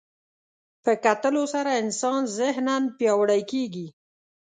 په کتلو سره انسان ذهناً پیاوړی کېږي